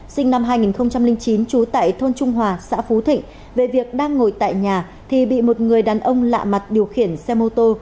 sinh năm hai nghìn chín trú tại thôn trung hòa xã phú thịnh về việc đang ngồi tại nhà thì bị một người đàn ông lạ mặt điều khiển xe mô tô